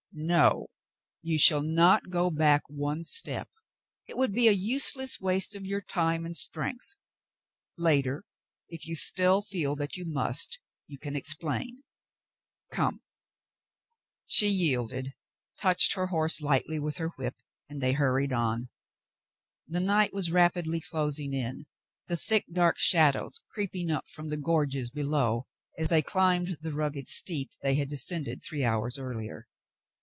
'"No. You shall not go back one step. It would be a useless waste of your time and strength. Later, if you still feel that you must, you can explain. Come." She yielded, touched her horse lightly with her whip, and they hurried on. The night was rapidly closing in, the thick, dark shadows creeping up from the gorges below as they climbed the rugged steep they had descended three hours earlier.